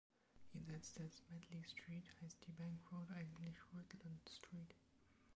Jenseits der Smedley Street heißt die Bank Road eigentlich Rutland Street.